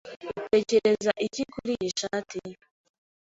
Utekereza iki kuri iyi shati?